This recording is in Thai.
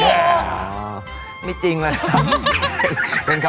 ก็ปั่นแล้วไม่มีกลัวหรอก